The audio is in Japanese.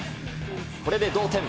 これで同点。